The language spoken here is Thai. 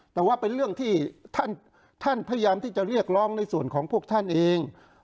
แต่ว่าเป็นเรื่องที่ท่านพยายามที่จะเรียกร้องในส่วนของพวกท่านเอง